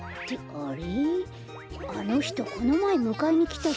あれ？